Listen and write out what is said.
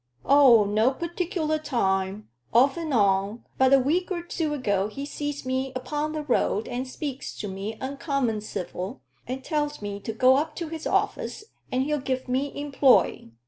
"Oh, no particular time off and on; but a week or two ago he sees me upo' the road, and speaks to me uncommon civil, and tells me to go up to his office and he'll give me employ.